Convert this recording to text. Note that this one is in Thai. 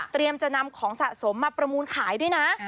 จะนำของสะสมมาประมูลขายด้วยนะ